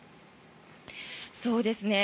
そうですね。